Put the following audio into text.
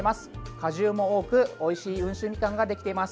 果汁も多くおいしい温州みかんができています。